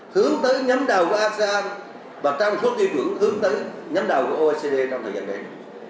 hướng tới nhóm đầu của asean và trong số thi vưởng hướng tới nhóm đầu của oecd trong thời gian đến